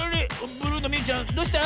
ブルーのみゆちゃんどうした？